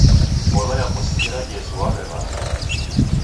Ngolo yapo sikira Jesu waw'ew'anga.